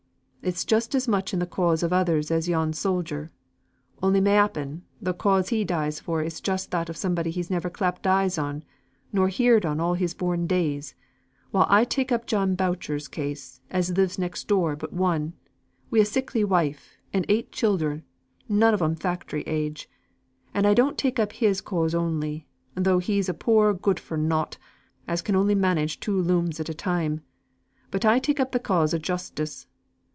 It is just as much in the cause of others as yon soldier only m'appen, the cause he dies for is just that of somebody he never clapt eyes on, nor heerd on all his born days, while I take up John Boucher's cause, as lives next door but one, wi' a sickly wife, and eight childer, none on 'em factory age; and I don't take up his cause only, though he's a poor good for nought, as can only manage two looms at a time, but I take up th' cause o' justice.